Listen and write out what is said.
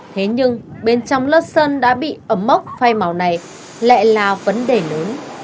thế nhưng bên trong lớp sơn đã bị ấm mốc phai màu này lại là vấn đề lớn